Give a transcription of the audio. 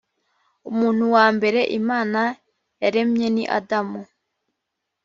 umuntu wa mbere imana yaremwe ni adamu.